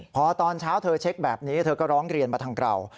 พอตอนเช้าเธอเช็คแบบนี้เธอก็ร้องเรียนมาทางเรา